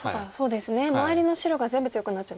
周りの白が全部強くなっちゃいますもんね。